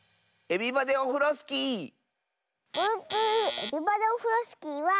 「エビバデオフロスキー」は。